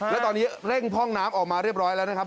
และตอนนี้เร่งพร่องน้ำออกมาเรียบร้อยแล้วนะครับ